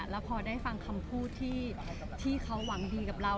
แล้วพอได้ฟังคำพูดที่เขาหวังดีกับเรา